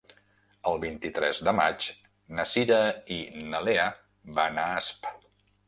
El vint-i-tres de maig na Cira i na Lea van a Asp.